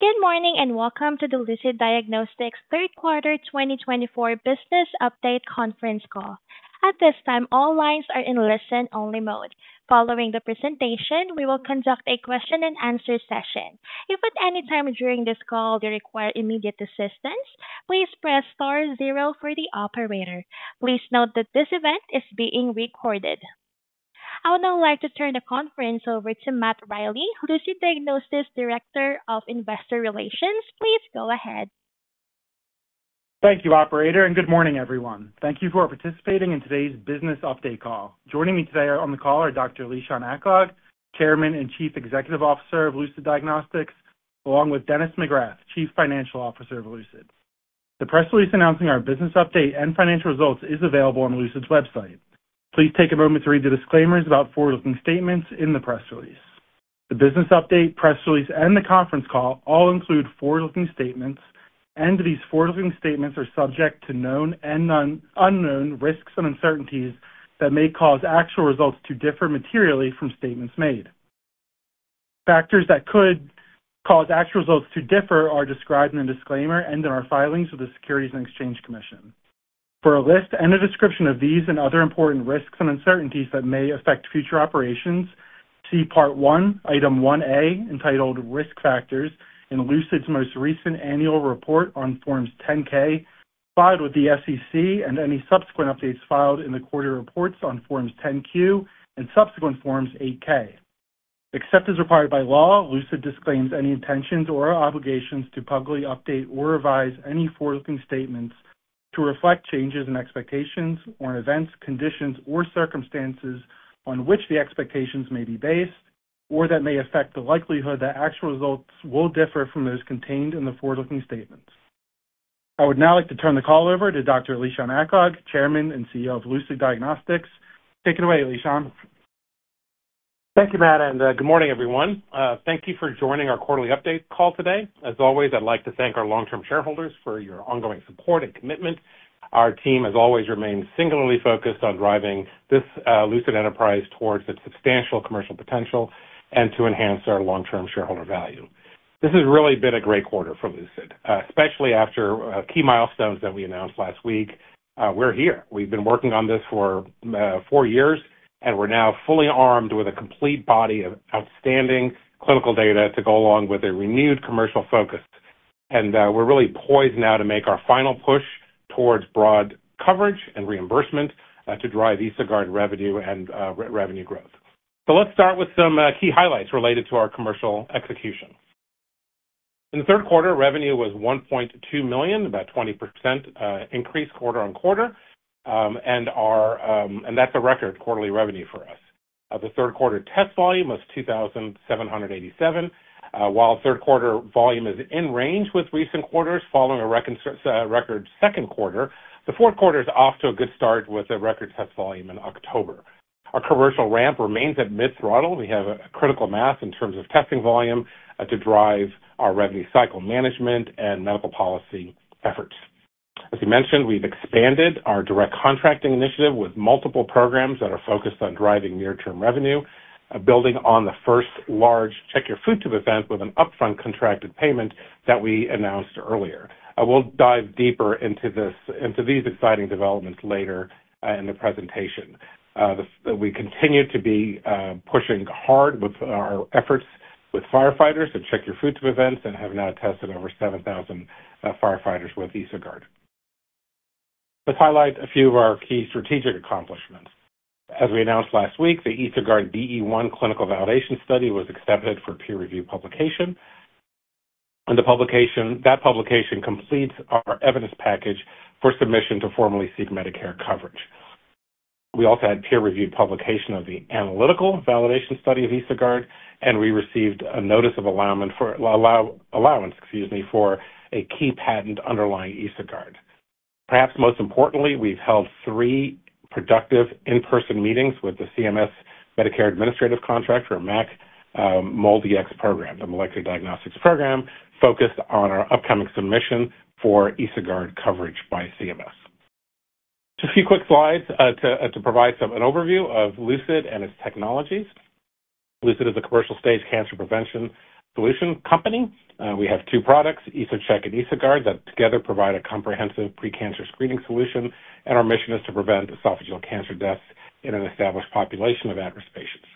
Good morning and welcome to the Lucid Diagnostics Q3 2024 Business Update Conference Call. At this time, all lines are in listen-only mode. Following the presentation, we will conduct a question-and-answer session. If at any time during this call you require immediate assistance, please press star zero for the operator. Please note that this event is being recorded. I would now like to turn the conference over to Matt Riley, Lucid Diagnostics Director of Investor Relations. Please go ahead. Thank you, Operator, and good morning, everyone. Thank you for participating in today's Business Update Call. Joining me today on the call are Dr. Lishan Aklog, Chairman and Chief Executive Officer of Lucid Diagnostics, along with Dennis McGrath, Chief Financial Officer of Lucid. The press release announcing our business update and financial results is available on Lucid's website. Please take a moment to read the disclaimers about forward-looking statements in the press release. The business update, press release, and the conference call all include forward-looking statements, and these forward-looking statements are subject to known and unknown risks and uncertainties that may cause actual results to differ materially from statements made. Factors that could cause actual results to differ are described in the disclaimer and in our filings with the Securities and Exchange Commission. For a list and a description of these and other important risks and uncertainties that may affect future operations, see Part 1, Item 1A, entitled Risk Factors, in Lucid's most recent annual report on Form 10-K, filed with the SEC, and any subsequent updates filed in the quarterly reports on Form 10-Q and subsequent Forms 8-K. Except as required by law, Lucid disclaims any intentions or obligations to publicly update or revise any forward-looking statements to reflect changes in expectations or in events, conditions, or circumstances on which the expectations may be based, or that may affect the likelihood that actual results will differ from those contained in the forward-looking statements. I would now like to turn the call over to Dr. Lishan Aklog, Chairman and CEO of Lucid Diagnostics. Take it away, Lishan. Thank you, Matt, and good morning, everyone. Thank you for joining our quarterly update call today. As always, I'd like to thank our long-term shareholders for your ongoing support and commitment. Our team, as always, remains singularly focused on driving this Lucid enterprise towards its substantial commercial potential and to enhance our long-term shareholder value. This has really been a great quarter for Lucid, especially after key milestones that we announced last week. We're here. We've been working on this for four years, and we're now fully armed with a complete body of outstanding clinical data to go along with a renewed commercial focus, and we're really poised now to make our final push towards broad coverage and reimbursement to drive EsoGuard revenue and revenue growth, so let's start with some key highlights related to our commercial execution. In Q3, revenue was $1.2 million, about a 20% increase quarter on quarter, and that's a record quarterly revenue for us. The Q3 test volume was 2,787, while Q3 volume is in range with recent quarters, following a record Q2. Q4 is off to a good start with a record test volume in October. Our commercial ramp remains at mid-throttle. We have a critical mass in terms of testing volume to drive our revenue cycle management and medical policy efforts. As we mentioned, we've expanded our direct contracting initiative with multiple programs that are focused on driving near-term revenue, building on the first large Check Your Food Tube event with an upfront contracted payment that we announced earlier. We'll dive deeper into these exciting developments later in the presentation. We continue to be pushing hard with our efforts with firefighters at Check Your Food Tube events and have now tested over 7,000 firefighters with EsoGuard. Let's highlight a few of our key strategic accomplishments. As we announced last week, the EsoGuard BE-1 clinical validation study was accepted for peer-review publication, and that publication completes our evidence package for submission to formally seek Medicare coverage. We also had peer-reviewed publication of the analytical validation study of EsoGuard, and we received a notice of allowance for a key patent underlying EsoGuard. Perhaps most importantly, we've held three productive in-person meetings with the CMS Medicare Administrative Contractor MAC MolDX program, the Molecular Diagnostics Program, focused on our upcoming submission for EsoGuard coverage by CMS. Just a few quick slides to provide an overview of Lucid and its technologies. Lucid is a commercial-stage cancer prevention solution company. We have two products, EsoCheck and EsoGuard, that together provide a comprehensive precancer screening solution, and our mission is to prevent esophageal cancer deaths in an established population of at-risk patients.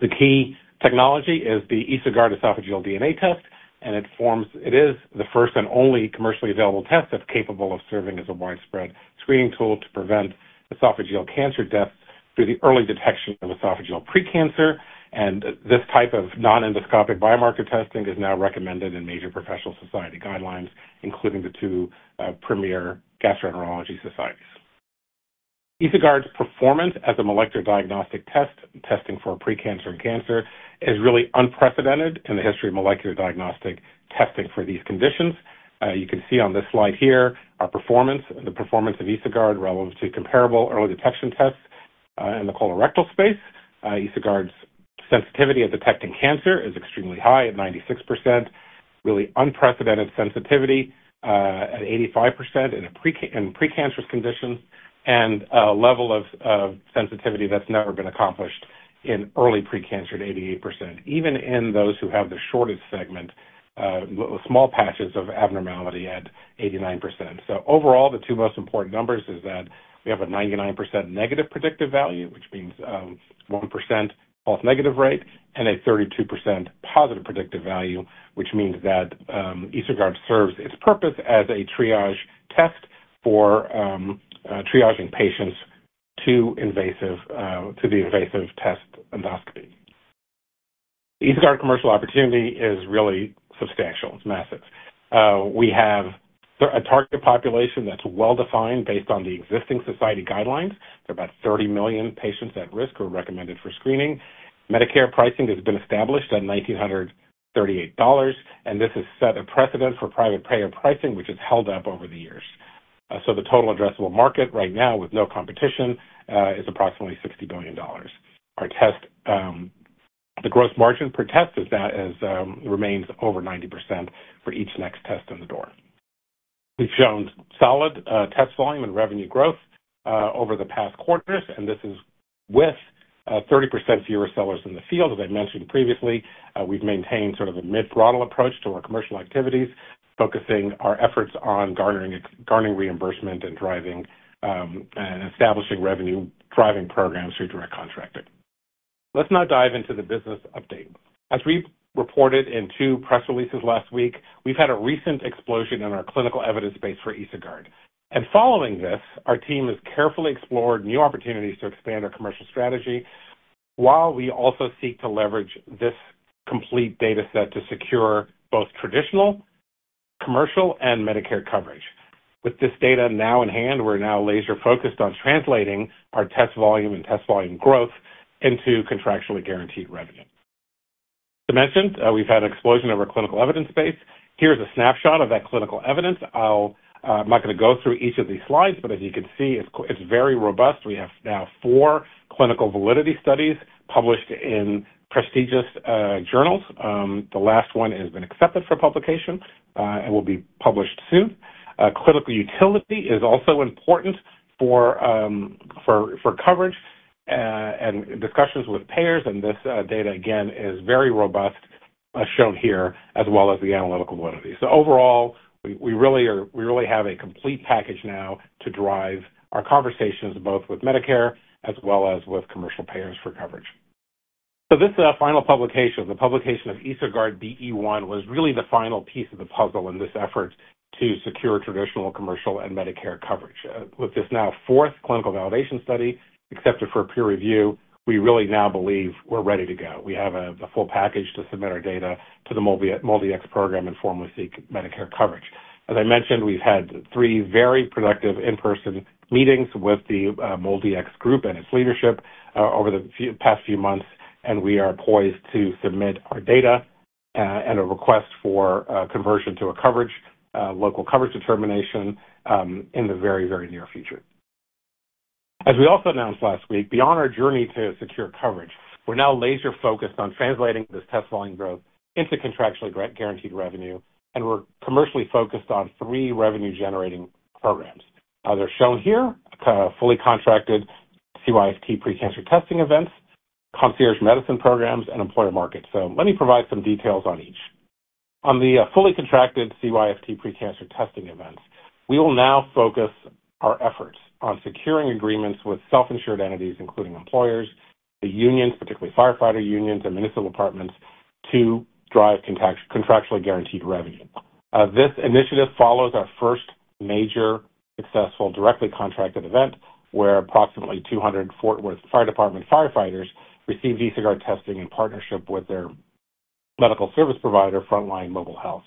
The key technology is the EsoGuard esophageal DNA test, and it is the first and only commercially available test that's capable of serving as a widespread screening tool to prevent esophageal cancer deaths through the early detection of esophageal precancer, and this type of non-endoscopic biomarker testing is now recommended in major professional society guidelines, including the two premier gastroenterology societies. EsoGuard's performance as a molecular diagnostic test, testing for precancer and cancer, is really unprecedented in the history of molecular diagnostic testing for these conditions. You can see on this slide here our performance, the performance of EsoGuard relative to comparable early detection tests in the colorectal space. EsoGuard's sensitivity at detecting cancer is extremely high at 96%, really unprecedented sensitivity at 85% in precancerous conditions, and a level of sensitivity that's never been accomplished in early precancer at 88%, even in those who have the shortest segment, small patches of abnormality at 89%. So overall, the two most important numbers are that we have a 99% negative predictive value, which means 1% false negative rate, and a 32% positive predictive value, which means that EsoGuard serves its purpose as a triage test for triaging patients to the invasive test endoscopy. EsoGuard commercial opportunity is really substantial. It's massive. We have a target population that's well-defined based on the existing society guidelines. There are about 30 million patients at risk who are recommended for screening. Medicare pricing has been established at $1,938, and this has set a precedent for private payer pricing, which has held up over the years. So the total addressable market right now, with no competition, is approximately $60 billion. The gross margin per test remains over 90% for each next test in the door. We've shown solid test volume and revenue growth over the past quarters, and this is with 30% fewer sellers in the field. As I mentioned previously, we've maintained sort of a mid-throttle approach to our commercial activities, focusing our efforts on garnering reimbursement and establishing revenue-driving programs through direct contracting. Let's now dive into the business update. As we reported in two press releases last week, we've had a recent explosion in our clinical evidence base for EsoGuard. And following this, our team has carefully explored new opportunities to expand our commercial strategy, while we also seek to leverage this complete data set to secure both traditional, commercial, and Medicare coverage. With this data now in hand, we're now laser-focused on translating our test volume and test volume growth into contractually guaranteed revenue. As I mentioned, we've had an explosion of our clinical evidence base. Here's a snapshot of that clinical evidence. I'm not going to go through each of these slides, but as you can see, it's very robust. We have now four clinical validity studies published in prestigious journals. The last one has been accepted for publication and will be published soon. Clinical utility is also important for coverage and discussions with payers, and this data, again, is very robust, as shown here, as well as the analytical validity. So overall, we really have a complete package now to drive our conversations both with Medicare as well as with commercial payers for coverage. So this final publication, the publication of EsoGuard BE-1, was really the final piece of the puzzle in this effort to secure traditional, commercial, and Medicare coverage. With this now fourth clinical validation study accepted for peer review, we really now believe we're ready to go. We have the full package to submit our data to the MolDX Program and formally seek Medicare coverage. As I mentioned, we've had three very productive in-person meetings with the MolDX Group and its leadership over the past few months, and we are poised to submit our data and a request for conversion to a local coverage determination in the very, very near future. As we also announced last week, beyond our journey to secure coverage, we're now laser-focused on translating this test volume growth into contractually guaranteed revenue, and we're commercially focused on three revenue-generating programs. They're shown here: fully contracted CYFT Precancer Testing Events, concierge medicine programs, and employer markets. So let me provide some details on each. On the fully contracted CYFT Precancer Testing Events, we will now focus our efforts on securing agreements with self-insured entities, including employers, the unions, particularly firefighter unions and municipal departments, to drive contractually guaranteed revenue. This initiative follows our first major successful directly contracted event, where approximately 200 Fort Worth Fire Department firefighters received EsoGuard testing in partnership with their medical service provider, Front Line Mobile Health.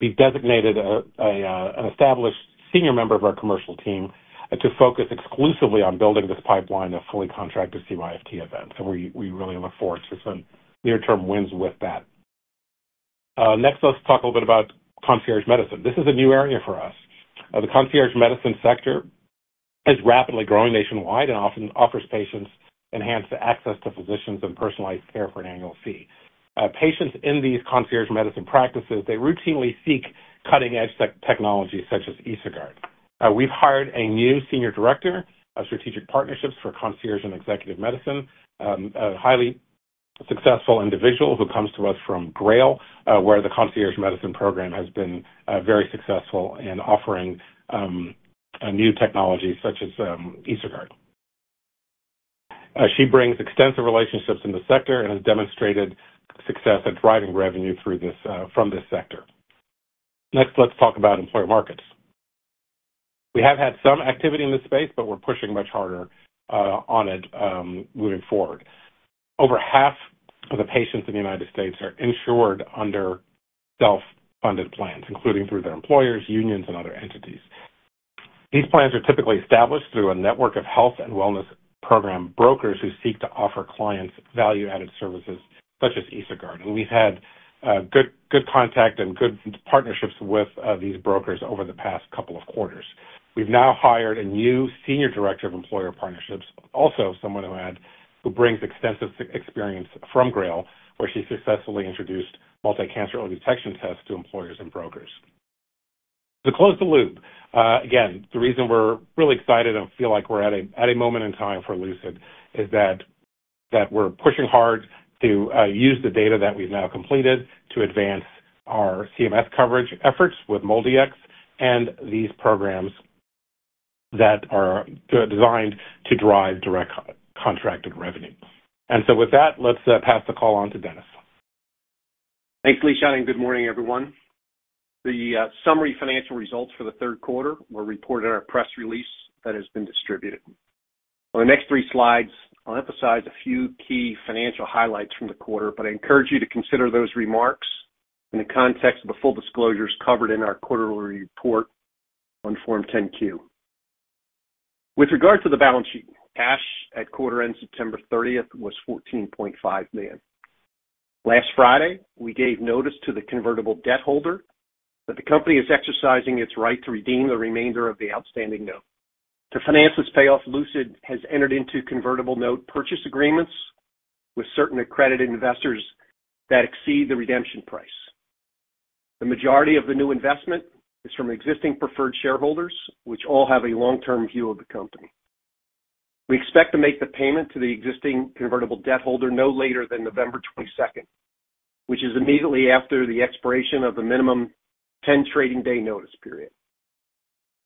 We've designated an established senior member of our commercial team to focus exclusively on building this pipeline of fully contracted CYFT events. So we really look forward to some near-term wins with that. Next, let's talk a little bit about concierge medicine. This is a new area for us. The concierge medicine sector is rapidly growing nationwide and often offers patients enhanced access to physicians and personalized care for an annual fee. Patients in these concierge medicine practices, they routinely seek cutting-edge technologies such as EsoGuard. We've hired a new senior director of strategic partnerships for concierge and executive medicine, a highly successful individual who comes to us from Grail, where the concierge medicine program has been very successful in offering new technologies such as EsoGuard. She brings extensive relationships in the sector and has demonstrated success at driving revenue from this sector. Next, let's talk about employer markets. We have had some activity in this space, but we're pushing much harder on it moving forward. Over half of the patients in the United States are insured under self-funded plans, including through their employers, unions, and other entities. These plans are typically established through a network of health and wellness program brokers who seek to offer clients value-added services such as EsoGuard, and we've had good contact and good partnerships with these brokers over the past couple of quarters. We've now hired a new senior director of employer partnerships, also someone who brings extensive experience from Grail, where she successfully introduced multicancer early detection tests to employers and brokers. To close the loop, again, the reason we're really excited and feel like we're at a moment in time for Lucid is that we're pushing hard to use the data that we've now completed to advance our CMS coverage efforts with MolDX and these programs that are designed to drive direct contracted revenue. And so with that, let's pass the call on to Dennis. Thanks, Lishan. And good morning, everyone. The summary financial results for Q3 were reported in our press release that has been distributed. On the next three slides, I'll emphasize a few key financial highlights from the quarter, but I encourage you to consider those remarks in the context of the full disclosures covered in our quarterly report on Form 10-Q. With regard to the balance sheet, cash at quarter-end September 30 was $14.5 million. Last Friday, we gave notice to the convertible debt holder that the company is exercising its right to redeem the remainder of the outstanding note. To finance this payoff, Lucid has entered into convertible note purchase agreements with certain accredited investors that exceed the redemption price. The majority of the new investment is from existing preferred shareholders, which all have a long-term view of the company. We expect to make the payment to the existing convertible debt holder no later than 22 November, which is immediately after the expiration of the minimum 10 trading day notice period.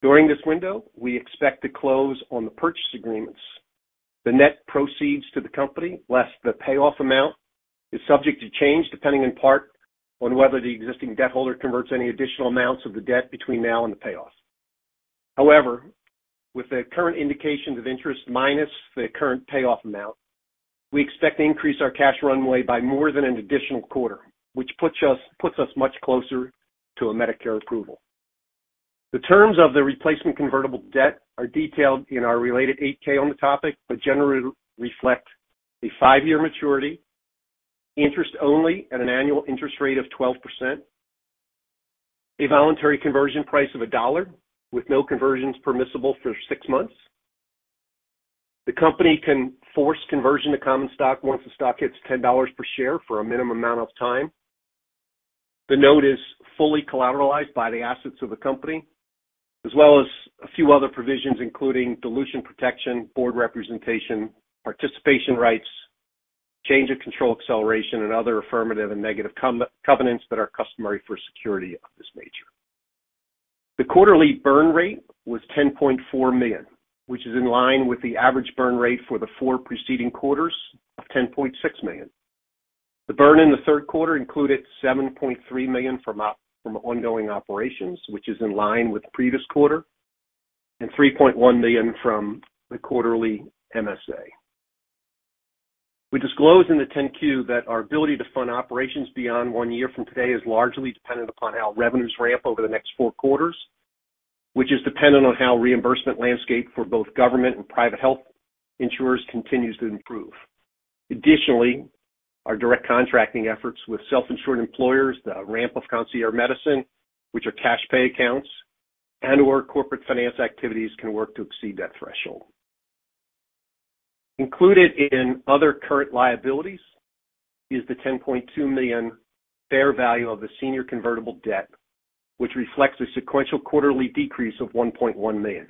During this window, we expect to close on the purchase agreements. The net proceeds to the company, less the payoff amount, is subject to change depending in part on whether the existing debt holder converts any additional amounts of the debt between now and the payoff. However, with the current indications of interest minus the current payoff amount, we expect to increase our cash runway by more than an additional quarter, which puts us much closer to a Medicare approval. The terms of the replacement convertible debt are detailed in our related 8-K on the topic, but generally reflect a five-year maturity, interest only at an annual interest rate of 12%, a voluntary conversion price of $1 with no conversions permissible for six months. The company can force conversion to common stock once the stock hits $10 per share for a minimum amount of time. The note is fully collateralized by the assets of the company, as well as a few other provisions, including dilution protection, board representation, participation rights, change of control acceleration, and other affirmative and negative covenants that are customary for security of this nature. The quarterly burn rate was $10.4 million, which is in line with the average burn rate for the four preceding quarters of $10.6 million. The burn in Q3 included $7.3 million from ongoing operations, which is in line with the previous quarter, and $3.1 million from the quarterly MSA. We disclose in the 10-Q that our ability to fund operations beyond one year from today is largely dependent upon how revenues ramp over the next four quarters, which is dependent on how reimbursement landscape for both government and private health insurers continues to improve. Additionally, our direct contracting efforts with self-insured employers, the ramp of concierge medicine, which are cash pay accounts, and/or corporate finance activities can work to exceed that threshold. Included in other current liabilities is the $10.2 million fair value of the senior convertible debt, which reflects a sequential quarterly decrease of $1.1 million.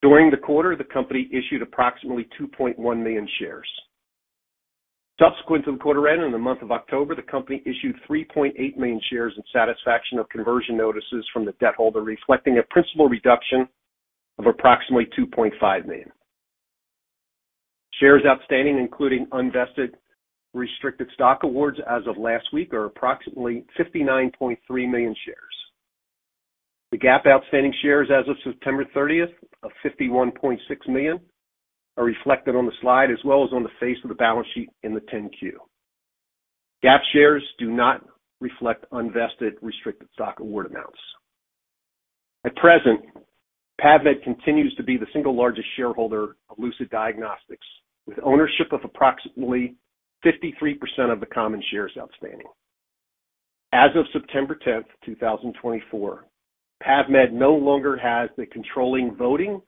During the quarter, the company issued approximately 2.1 million shares. Subsequent to the quarter-end, in the month of October, the company issued 3.8 million shares in satisfaction of conversion notices from the debt holder, reflecting a principal reduction of approximately 2.5 million. Shares outstanding, including unvested restricted stock awards as of last week, are approximately 59.3 million shares. The GAAP outstanding shares as of 30 September of 51.6 million are reflected on the slide as well as on the face of the balance sheet in the 10-Q. GAAP shares do not reflect unvested restricted stock award amounts. At present, PAVmed continues to be the single largest shareholder of Lucid Diagnostics, with ownership of approximately 53% of the common shares outstanding. As of September 10th, 2024, PAVmed no longer has the controlling voting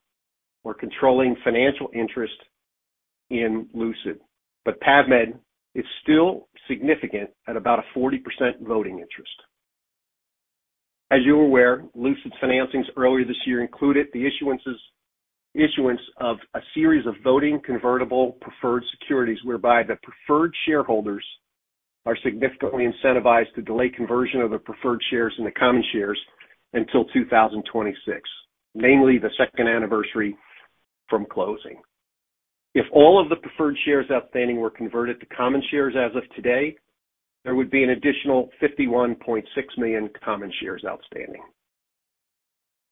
or controlling financial interest in Lucid, but PAVmed is still significant at about a 40% voting interest. As you're aware, Lucid's financings earlier this year included the issuance of a series of voting convertible preferred securities, whereby the preferred shareholders are significantly incentivized to delay conversion of their preferred shares in the common shares until 2026, namely the second anniversary from closing. If all of the preferred shares outstanding were converted to common shares as of today, there would be an additional 51.6 million common shares outstanding.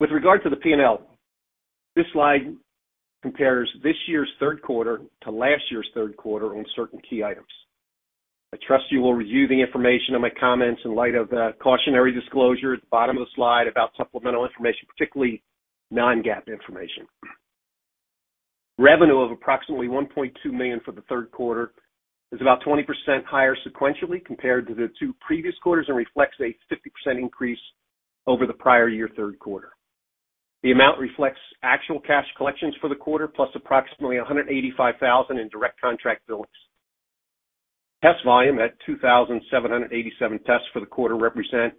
With regard to the P&L, this slide compares this year's Q3 to last year's Q3 on certain key items. I trust you will review the information in my comments in light of the cautionary disclosure at the bottom of the slide about supplemental information, particularly non-GAAP information. Revenue of approximately $1.2 million for the Q3 is about 20% higher sequentially compared to the two previous quarters and reflects a 50% increase over the prior year Q3. The amount reflects actual cash collections for the quarter plus approximately $185,000 in direct contract billings. Test volume at 2,787 tests for the quarter represents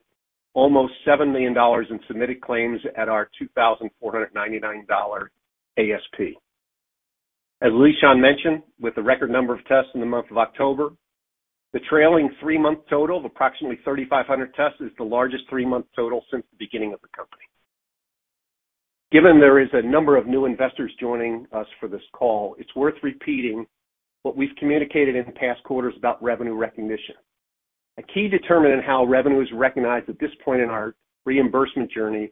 almost $7 million in submitted claims at our $2,499 ASP. As Lishan mentioned, with the record number of tests in the month of October, the trailing three-month total of approximately 3,500 tests is the largest three-month total since the beginning of the company. Given there is a number of new investors joining us for this call, it's worth repeating what we've communicated in past quarters about revenue recognition. A key determinant in how revenue is recognized at this point in our reimbursement journey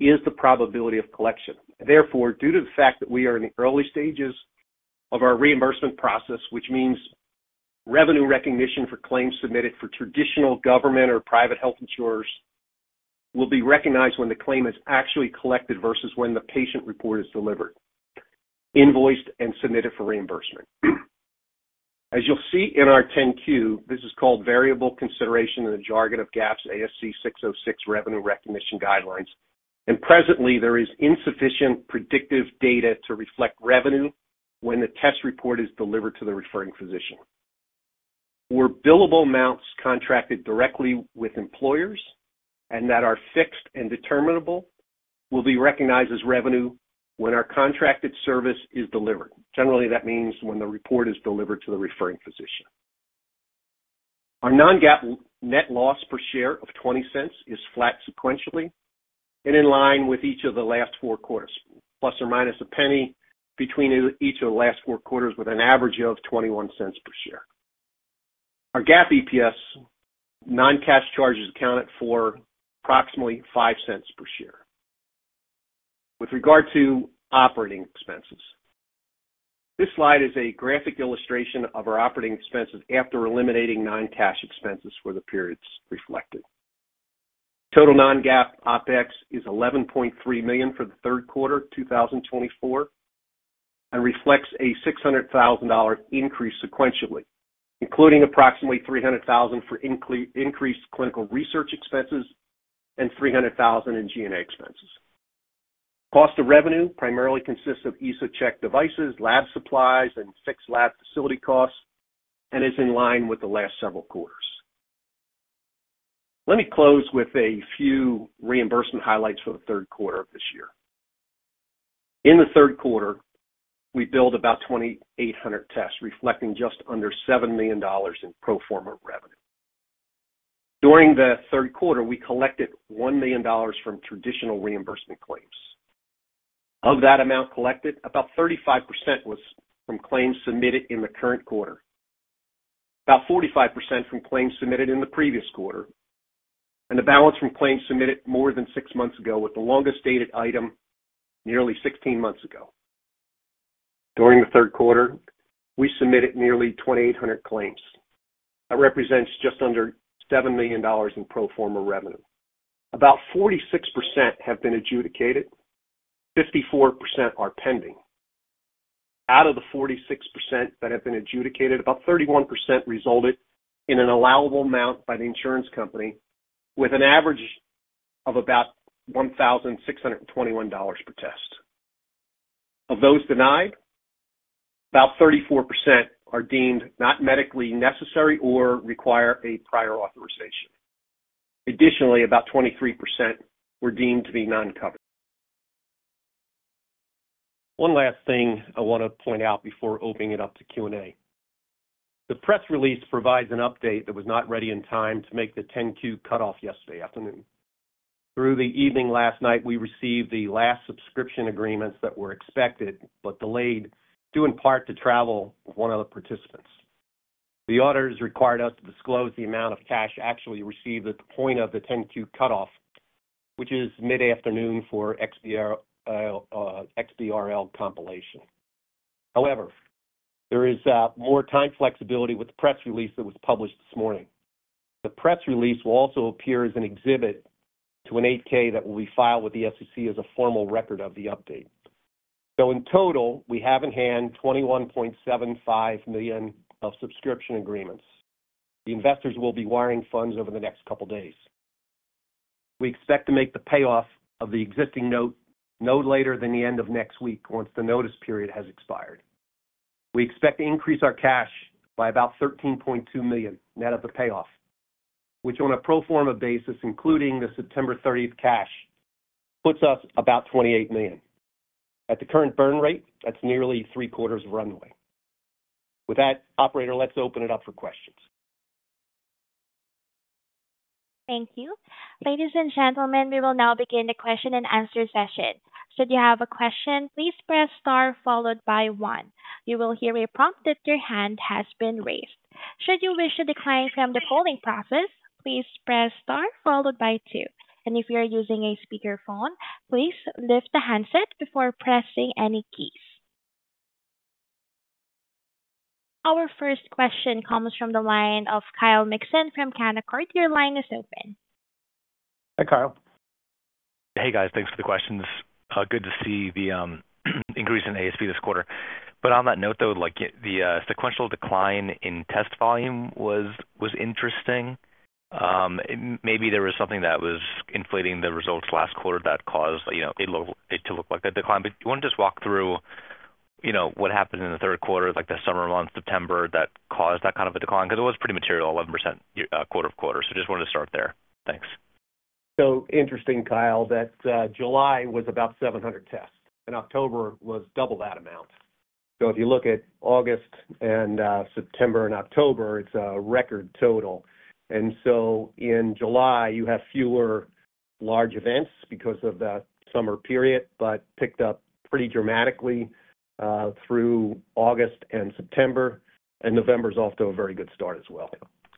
is the probability of collection. Therefore, due to the fact that we are in the early stages of our reimbursement process, which means revenue recognition for claims submitted for traditional government or private health insurers will be recognized when the claim is actually collected versus when the patient report is delivered, invoiced, and submitted for reimbursement. As you'll see in our 10-Q, this is called variable consideration in the jargon of GAAP's ASC 606 revenue recognition guidelines. And presently, there is insufficient predictive data to reflect revenue when the test report is delivered to the referring physician. Where billable amounts contracted directly with employers and that are fixed and determinable will be recognized as revenue when our contracted service is delivered. Generally, that means when the report is delivered to the referring physician. Our non-GAAP net loss per share of $0.20 is flat sequentially and in line with each of the last four quarters, plus or minus $0.01 between each of the last four quarters with an average of $0.21 per share. Our GAAP EPS non-cash charges accounted for approximately $0.05 per share. With regard to operating expenses, this slide is a graphic illustration of our operating expenses after eliminating non-cash expenses for the periods reflected. Total non-GAAP OpEx is $11.3 million for the Q3 of 2024 and reflects a $600,000 increase sequentially, including approximately $300,000 for increased clinical research expenses and $300,000 in G&A expenses. Cost of revenue primarily consists of EsoCheck devices, lab supplies, and fixed lab facility costs, and is in line with the last several quarters. Let me close with a few reimbursement highlights for the Q3 of this year. In Q3, we billed about 2,800 tests, reflecting just under $7 million in pro forma revenue. During Q3, we collected $1 million from traditional reimbursement claims. Of that amount collected, about 35% was from claims submitted in the current quarter, about 45% from claims submitted in the previous quarter, and the balance from claims submitted more than six months ago, with the longest dated item nearly 16 months ago. During Q3, we submitted nearly 2,800 claims. That represents just under $7 million in pro forma revenue. About 46% have been adjudicated. 54% are pending. Out of the 46% that have been adjudicated, about 31% resulted in an allowable amount by the insurance company, with an average of about $1,621 per test. Of those denied, about 34% are deemed not medically necessary or require a prior authorization. Additionally, about 23% were deemed to be non-covered. One last thing I want to point out before opening it up to Q&A. The press release provides an update that was not ready in time to make the 10-Q cutoff yesterday afternoon. Through the evening last night, we received the last subscription agreements that were expected but delayed due in part to travel with one of the participants. The auditors required us to disclose the amount of cash actually received at the point of the 10-Q cutoff, which is mid-afternoon for XBRL compilation. However, there is more time flexibility with the press release that was published this morning. The press release will also appear as an exhibit to an 8-K that will be filed with the SEC as a formal record of the update. So in total, we have in hand $21.75 million of subscription agreements. The investors will be wiring funds over the next couple of days. We expect to make the payoff of the existing note no later than the end of next week once the notice period has expired. We expect to increase our cash by about $13.2 million net of the payoff, which on a pro forma basis, including the 30 September cash, puts us about $28 million. At the current burn rate, that's nearly three quarters of runway. With that, operator, let's open it up for questions. Thank you. Ladies and gentlemen, we will now begin the question and answer session. Should you have a question, please press star followed by one. You will hear a prompt that your hand has been raised. Should you wish to decline from the polling process, please press star followed by two. And if you're using a speakerphone, please lift the handset before pressing any keys. Our first question comes from the line of Kyle Mixon from Canaccord Genuity. Your line is open. Hi, Kyle. Hey, guys. Thanks for the questions. Good to see the increase in ASP this quarter. But on that note, though, the sequential decline in test volume was interesting. Maybe there was something that was inflating the results last quarter that caused it to look like a decline. But you want to just walk through what happened in the Q3, like the summer month, September, that caused that kind of a decline? Because it was pretty material, 11% quarter to quarter. So just wanted to start there. Thanks. So interesting, Kyle, that July was about 700 tests, and October was double that amount. So if you look at August and September and October, it's a record total. And so in July, you have fewer large events because of the summer period, but picked up pretty dramatically through August and September. And November is off to a very good start as well.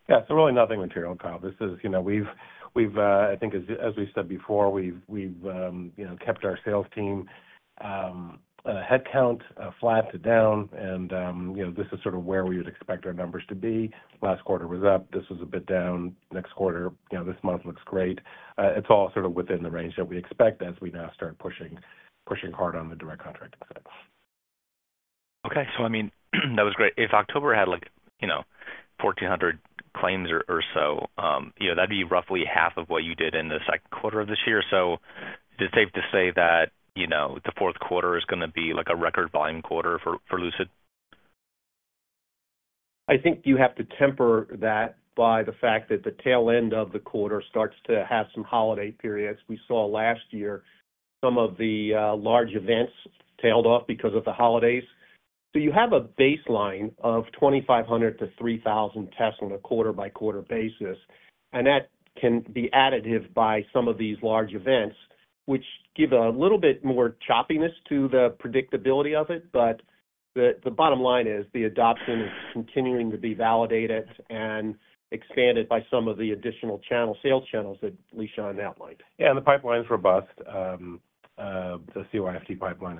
Yeah. So really nothing material, Kyle. This is, I think, as we said before, we've kept our sales team headcount flat to down. And this is sort of where we would expect our numbers to be. Last quarter was up. This was a bit down. Next quarter, this month looks great. It's all sort of within the range that we expect as we now start pushing hard on the direct contracting side. Okay. So I mean, that was great. If October had 1,400 claims or so, that'd be roughly half of what you did in the Q2 of this year. So is it safe to say that the Q4 is going to be a record-volume quarter for Lucid? I think you have to temper that by the fact that the tail end of the quarter starts to have some holiday periods. We saw last year some of the large events tailed off because of the holidays. So you have a baseline of 2,500-3,000 tests on a quarter-by-quarter basis. And that can be additive by some of these large events, which give a little bit more choppiness to the predictability of it. But the bottom line is the adoption is continuing to be validated and expanded by some of the additional sales channels that Lishan outlined. Yeah. And the pipeline's robust. The CYFT pipeline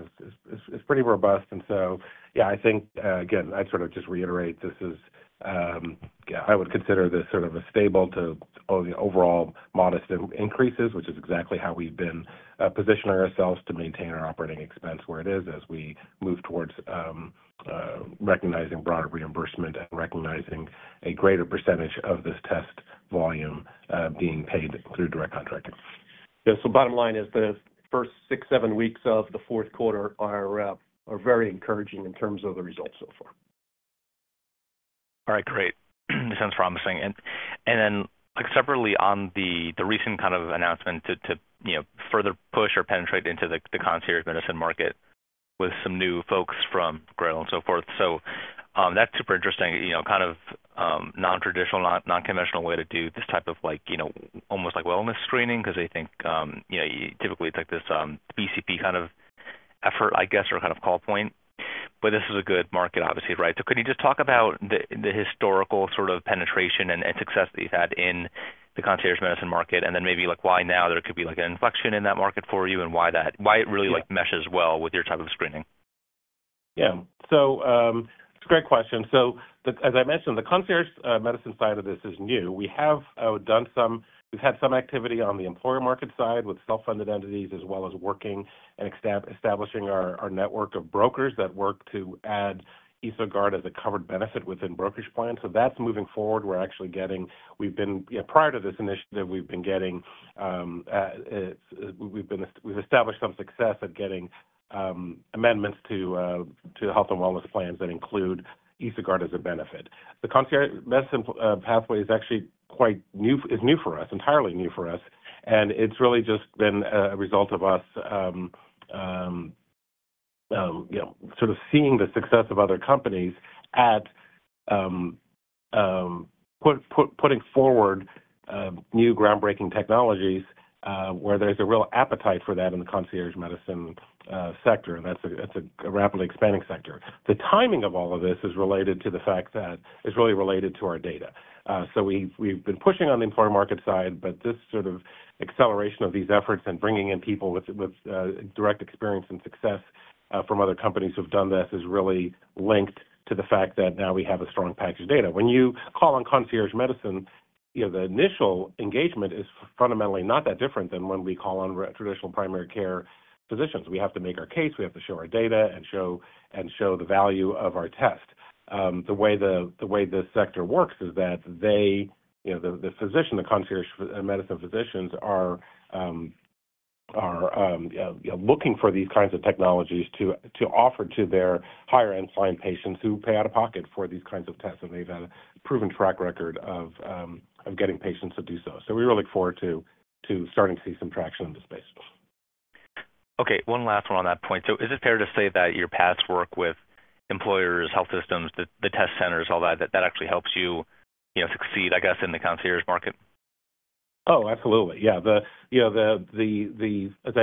is pretty robust. And so, yeah, I think, again, I'd sort of just reiterate this is, yeah, I would consider this sort of a stable to overall modest increases, which is exactly how we've been positioning ourselves to maintain our operating expense where it is as we move towards recognizing broader reimbursement and recognizing a greater percentage of this test volume being paid through direct contracting. Yeah. So bottom line is the first six, seven weeks of the Q4 are very encouraging in terms of the results so far. All right. Great. Sounds promising. And then separately on the recent kind of announcement to further push or penetrate into the concierge medicine market with some new folks from Grail and so forth. That's super interesting, kind of non-traditional, non-conventional way to do this type of almost like wellness screening because they think typically it's like this BCP kind of effort, I guess, or kind of call point. But this is a good market, obviously, right? Could you just talk about the historical sort of penetration and success that you've had in the concierge medicine market, and then maybe why now there could be an inflection in that market for you and why it really meshes well with your type of screening? Yeah. It's a great question. As I mentioned, the concierge medicine side of this is new. We've had some activity on the employer market side with self-funded entities as well as working and establishing our network of brokers that work to add EsoGuard as a covered benefit within brokerage plans. So that's moving forward. We're actually getting, prior to this initiative, we've been getting. We've established some success at getting amendments to health and wellness plans that include EsoGuard as a benefit. The concierge medicine pathway is actually quite new, is new for us, entirely new for us. And it's really just been a result of us sort of seeing the success of other companies at putting forward new groundbreaking technologies where there's a real appetite for that in the concierge medicine sector. And that's a rapidly expanding sector. The timing of all of this is related to the fact that it's really related to our data. So we've been pushing on the employer market side, but this sort of acceleration of these efforts and bringing in people with direct experience and success from other companies who have done this is really linked to the fact that now we have a strong package data. When you call on concierge medicine, the initial engagement is fundamentally not that different than when we call on traditional primary care physicians. We have to make our case. We have to show our data and show the value of our test. The way the sector works is that the physician, the concierge medicine physicians, are looking for these kinds of technologies to offer to their higher-end client patients who pay out of pocket for these kinds of tests. And they've had a proven track record of getting patients to do so. So we really look forward to starting to see some traction in the space. Okay. One last one on that point. So is it fair to say that your past work with employers, health systems, the test centers, all that, that actually helps you succeed, I guess, in the concierge market? Oh, absolutely. Yeah. As I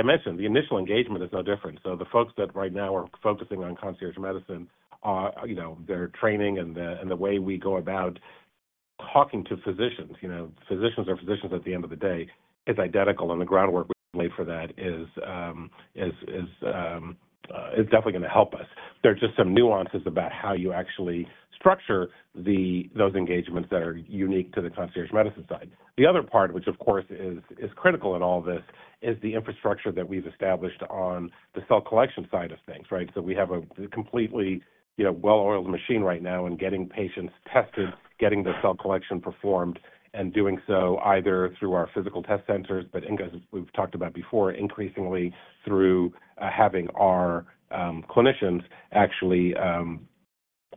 mentioned, the initial engagement is no different. So the folks that right now are focusing on concierge medicine, their training and the way we go about talking to physicians, physicians are physicians at the end of the day, is identical. And the groundwork we've laid for that is definitely going to help us. There are just some nuances about how you actually structure those engagements that are unique to the concierge medicine side. The other part, which of course is critical in all of this, is the infrastructure that we've established on the cell collection side of things, right? So we have a completely well-oiled machine right now in getting patients tested, getting the cell collection performed, and doing so either through our physical test centers, but as we've talked about before, increasingly through having our clinicians actually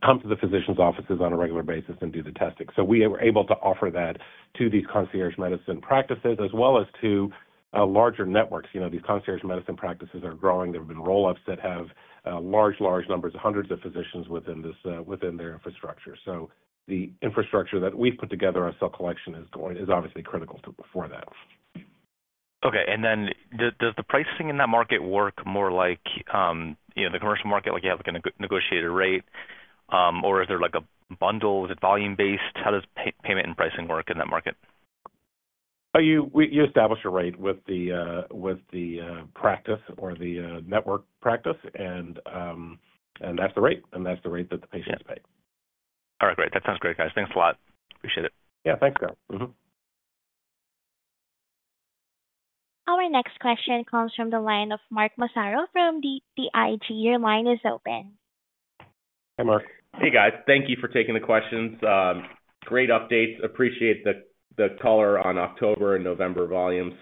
come to the physicians' offices on a regular basis and do the testing. So we are able to offer that to these concierge medicine practices as well as to larger networks. These concierge medicine practices are growing. There have been roll-ups that have large, large numbers, hundreds of physicians within their infrastructure. So the infrastructure that we've put together, our cell collection, is obviously critical for that. Okay. And then does the pricing in that market work more like the commercial market, like you have a negotiated rate, or is there a bundle? Is it volume-based? How does payment and pricing work in that market? You establish a rate with the practice or the network practice, and that's the rate. And that's the rate that the patients pay. All right. Great. That sounds great, guys. Thanks a lot. Appreciate it. Yeah. Thanks, Kyle. Our next question comes from the line of Mark Massaro from BTIG. Your line is open. Hi, Mark. Hey, guys. Thank you for taking the questions. Great updates. Appreciate the color on October and November volumes.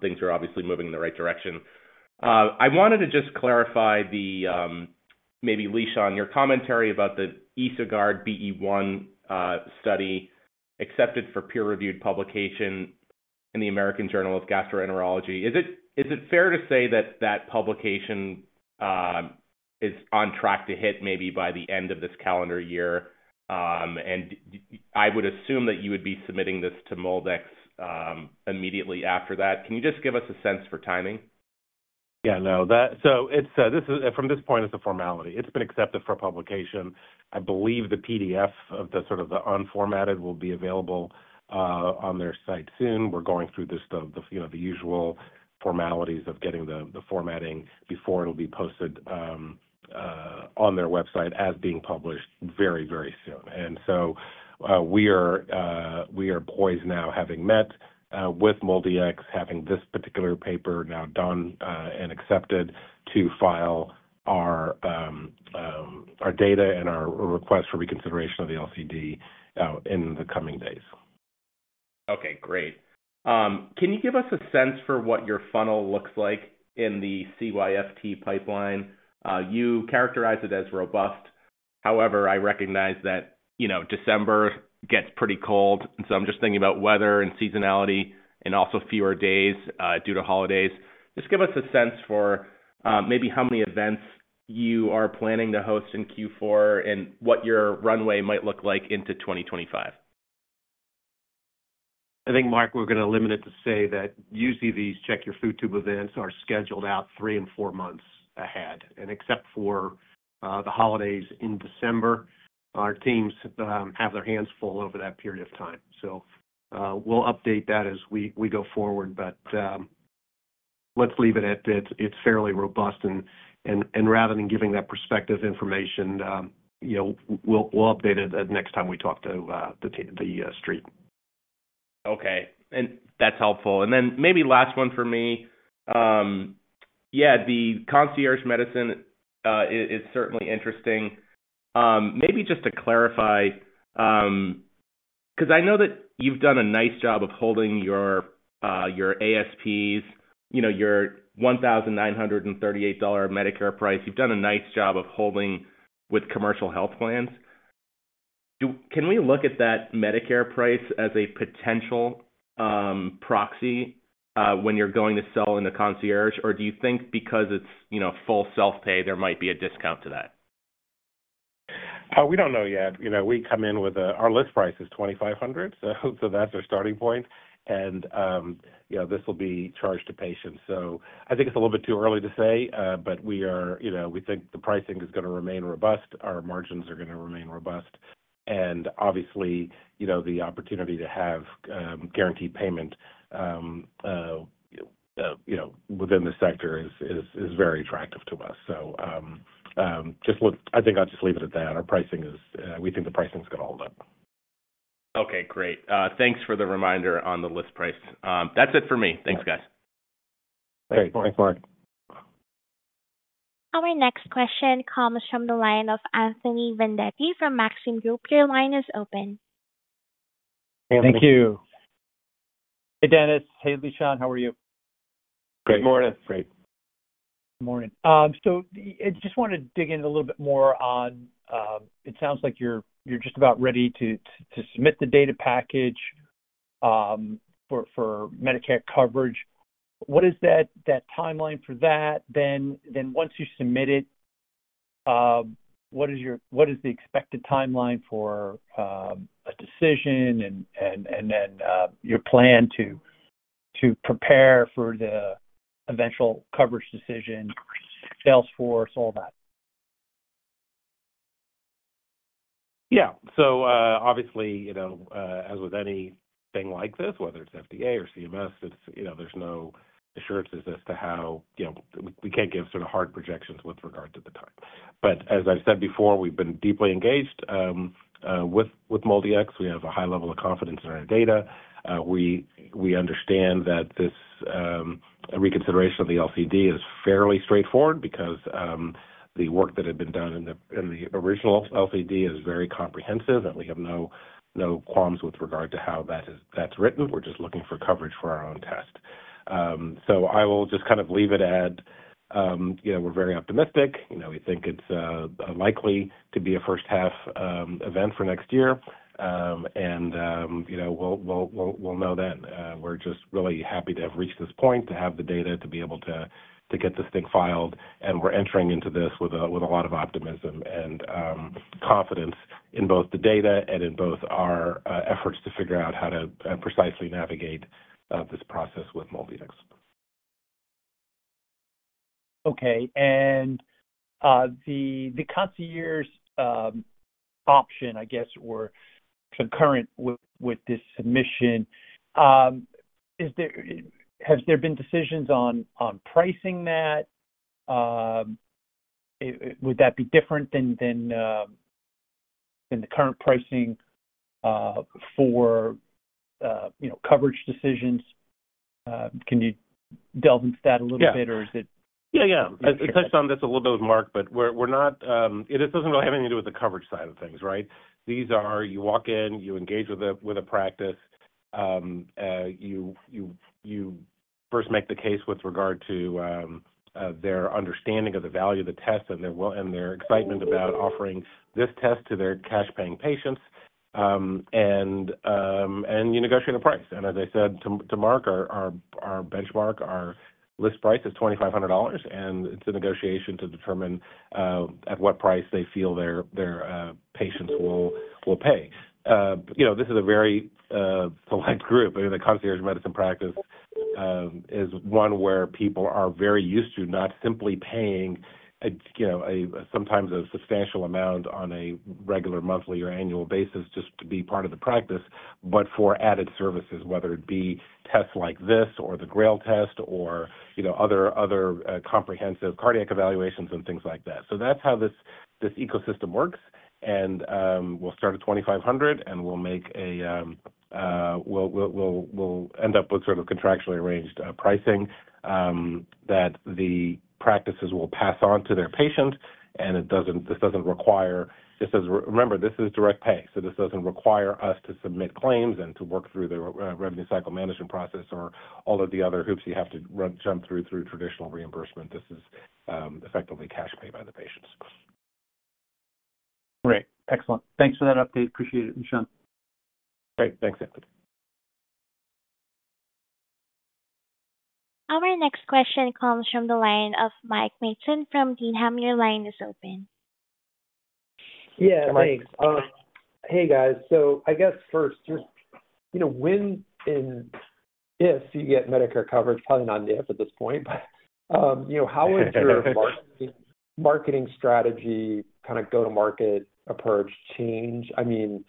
Things are obviously moving in the right direction. I wanted to just clarify, maybe Lishan, your commentary about the EsoGuard BE-1 study accepted for peer-reviewed publication in the American Journal of Gastroenterology. Is it fair to say that that publication is on track to hit maybe by the end of this calendar year? And I would assume that you would be submitting this to MolDX immediately after that. Can you just give us a sense for timing? Yeah. No. So from this point, it's a formality. It's been accepted for publication. I believe the PDF of the sort of the unformatted will be available on their site soon. We're going through the usual formalities of getting the formatting before it'll be posted on their website as being published very, very soon. And so we are poised now, having met with MolDX, having this particular paper now done and accepted, to file our data and our request for reconsideration of the LCD in the coming days. Okay. Great. Can you give us a sense for what your funnel looks like in the CYFT pipeline? You characterize it as robust. However, I recognize that December gets pretty cold. And so I'm just thinking about weather and seasonality and also fewer days due to holidays. Just give us a sense for maybe how many events you are planning to host in Q4 and what your runway might look like into 2025. I think, Mark, we're going to limit it to say that our CYFT Check Your Food Tube events are scheduled out three and four months ahead. And except for the holidays in December, our teams have their hands full over that period of time. So we'll update that as we go forward. But let's leave it at it's fairly robust. And rather than giving that perspective information, we'll update it the next time we talk to the street. Okay. And that's helpful. And then maybe last one for me. Yeah. The concierge medicine, it's certainly interesting. Maybe just to clarify, because I know that you've done a nice job of holding your ASPs, your $1,938 Medicare price, you've done a nice job of holding with commercial health plans. Can we look at that Medicare price as a potential proxy when you're going to sell in the concierge? Or do you think because it's full self-pay, there might be a discount to that? We don't know yet. We come in with our list price is $2,500. So that's our starting point. And this will be charged to patients. So I think it's a little bit too early to say, but we think the pricing is going to remain robust. Our margins are going to remain robust. And obviously, the opportunity to have guaranteed payment within the sector is very attractive to us. So I think I'll just leave it at that. We think the pricing's going to hold up. Okay. Great. Thanks for the reminder on the list price. That's it for me. Thanks, guys. Thanks, Mark. Our next question comes from the line of Anthony Vendetti from Maxim Group. Your line is open. Hey, Anthony. Thank you. Hey, Dennis. Hey, Lishan. How are you? Good morning. Great. Good morning. So I just want to dig in a little bit more on, it sounds like you're just about ready to submit the data package for Medicare coverage. What is that timeline for that? Then once you submit it, what is the expected timeline for a decision and then your plan to prepare for the eventual coverage decision, Salesforce, all that? Yeah. So obviously, as with anything like this, whether it's FDA or CMS, there's no assurances as to how we can't give sort of hard projections with regard to the time. But as I've said before, we've been deeply engaged with MolDX. We have a high level of confidence in our data. We understand that this reconsideration of the LCD is fairly straightforward because the work that had been done in the original LCD is very comprehensive, and we have no qualms with regard to how that's written. We're just looking for coverage for our own test. So I will just kind of leave it at we're very optimistic. We think it's likely to be a first-half event for next year. And we'll know then. We're just really happy to have reached this point, to have the data, to be able to get this thing filed. We're entering into this with a lot of optimism and confidence in both the data and in both our efforts to figure out how to precisely navigate this process with MolDX. Okay. The concierge option, I guess, were concurrent with this submission. Has there been decisions on pricing that? Would that be different than the current pricing for coverage decisions? Can you delve into that a little bit, or is it? Yeah. Yeah. I touched on this a little bit with Mark, but this doesn't really have anything to do with the coverage side of things, right? These are, you walk in, you engage with a practice, you first make the case with regard to their understanding of the value of the test and their excitement about offering this test to their cash-paying patients, and you negotiate a price. As I said to Mark, our benchmark, our list price is $2,500. It's a negotiation to determine at what price they feel their patients will pay. This is a very select group. I mean, the concierge medicine practice is one where people are very used to not simply paying sometimes a substantial amount on a regular monthly or annual basis just to be part of the practice, but for added services, whether it be tests like this or the Grail test or other comprehensive cardiac evaluations and things like that. That's how this ecosystem works. We'll start at $2,500, and we'll end up with sort of contractually arranged pricing that the practices will pass on to their patient. This doesn't require just as remember, this is direct pay. So this doesn't require us to submit claims and to work through the revenue cycle management process or all of the other hoops you have to jump through traditional reimbursement. This is effectively cash paid by the patients. Great. Excellent. Thanks for that update. Appreciate it, Lishan. Okay. Thanks, Anthony. Our next question comes from the line of Mike Matson from Needham. Line is open. Yeah. Thanks. Hey, guys. So I guess first, just when and if you get Medicare coverage, probably not an if at this point, but how would your marketing strategy, kind of go-to-market approach, change? I mean,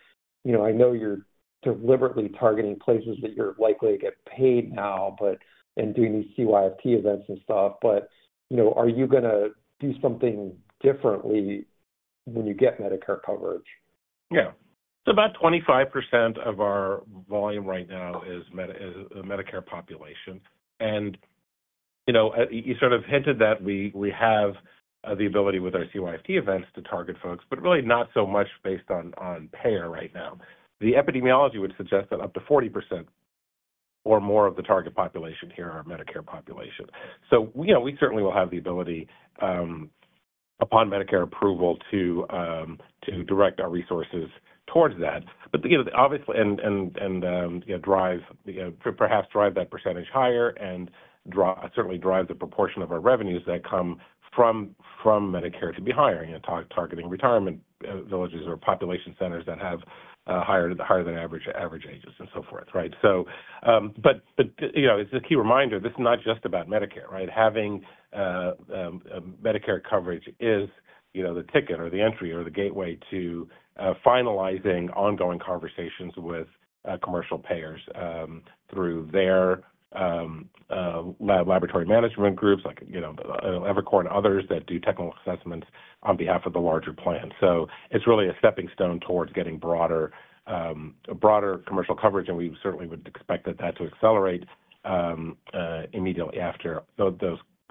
I know you're deliberately targeting places that you're likely to get paid now and doing these CYFT events and stuff, but are you going to do something differently when you get Medicare coverage? Yeah. So about 25% of our volume right now is Medicare population. You sort of hinted that we have the ability with our CYFT events to target folks, but really not so much based on payer right now. The epidemiology would suggest that up to 40% or more of the target population here are Medicare population. So we certainly will have the ability, upon Medicare approval, to direct our resources towards that. But obviously, and perhaps drive that percentage higher and certainly drive the proportion of our revenues that come from Medicare to be higher, targeting retirement villages or population centers that have higher than average ages and so forth, right? But it's a key reminder. This is not just about Medicare, right? Having Medicare coverage is the ticket or the entry or the gateway to finalizing ongoing conversations with commercial payers through their laboratory management groups like EviCore and others that do technical assessments on behalf of the larger plan. So it's really a stepping stone towards getting broader commercial coverage. And we certainly would expect that that to accelerate immediately after those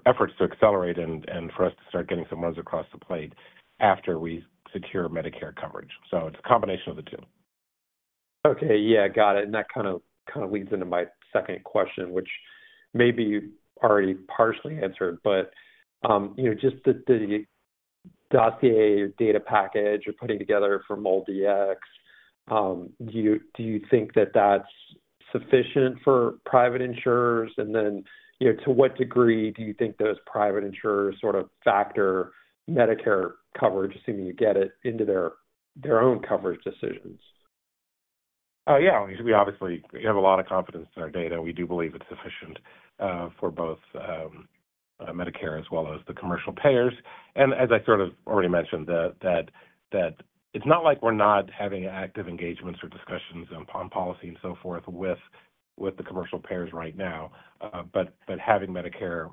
efforts to accelerate and for us to start getting some runs across the plate after we secure Medicare coverage. So it's a combination of the two. Okay. Yeah. Got it. And that kind of leads into my second question, which maybe you've already partially answered, but just the dossier data package you're putting together for MolDX, do you think that that's sufficient for private insurers? And then to what degree do you think those private insurers sort of factor Medicare coverage assuming you get it into their own coverage decisions? Oh, yeah. We obviously have a lot of confidence in our data. We do believe it's sufficient for both Medicare as well as the commercial payers. And as I sort of already mentioned, that it's not like we're not having active engagements or discussions on policy and so forth with the commercial payers right now. But having Medicare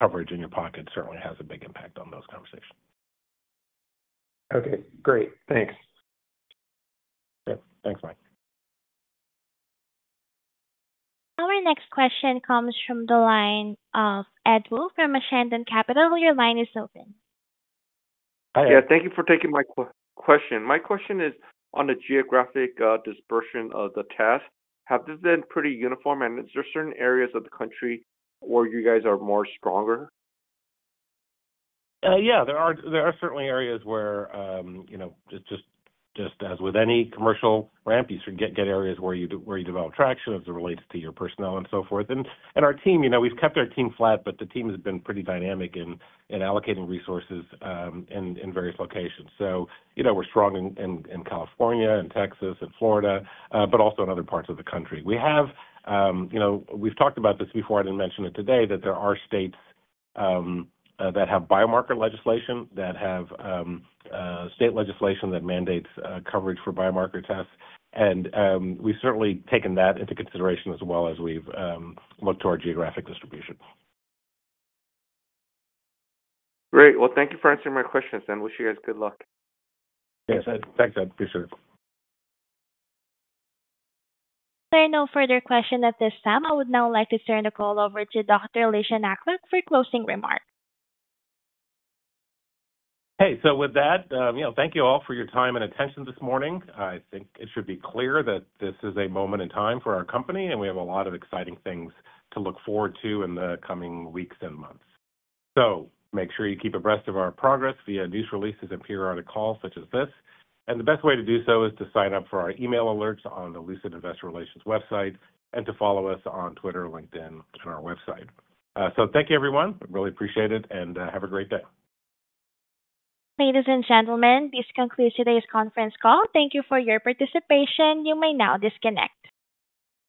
coverage in your pocket certainly has a big impact on those conversations. Okay. Great. Thanks. Yeah. Thanks, Mike. Our next question comes from the line of Edward Woo from Ascendiant Capital Markets. Your line is open. Yeah. Thank you for taking my question. My question is on the geographic dispersion of the test. Have they been pretty uniform? And is there certain areas of the country where you guys are more stronger? Yeah. There are certainly areas where just as with any commercial ramp, you get areas where you develop traction as it relates to your personnel and so forth. And our team, we've kept our team flat, but the team has been pretty dynamic in allocating resources in various locations. So we're strong in California and Texas and Florida, but also in other parts of the country. We have. We've talked about this before. I didn't mention it today, that there are states that have biomarker legislation, that have state legislation that mandates coverage for biomarker tests. And we've certainly taken that into consideration as well as we've looked to our geographic distribution. Great. Well, thank you for answering my questions, and wish you guys good luck. Yes. Thanks, Edward. Appreciate it. There are no further questions at this time. I would now like to turn the call over to Dr. Lishan Aklog for closing remarks. Okay. So with that, thank you all for your time and attention this morning. I think it should be clear that this is a moment in time for our company, and we have a lot of exciting things to look forward to in the coming weeks and months, so make sure you keep abreast of our progress via news releases and periodic calls such as this. And the best way to do so is to sign up for our email alerts on the Lucid Investor Relations website and to follow us on Twitter, LinkedIn, and our website, so thank you, everyone. I really appreciate it, and have a great day. Ladies and gentlemen, this concludes today's conference call. Thank you for your participation. You may now disconnect.